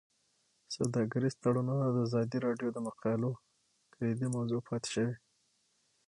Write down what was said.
سوداګریز تړونونه د ازادي راډیو د مقالو کلیدي موضوع پاتې شوی.